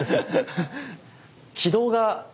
軌道が。